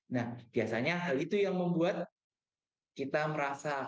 nah biasanya hal itu yang membuat kita merasa